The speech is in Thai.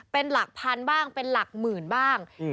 เป็นหลักพันบ้างเป็นหลักหมื่นบ้าง